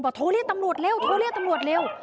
แบบโทรเรียตำรวจเร็ว